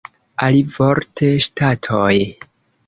Alivorte ŝtatoj.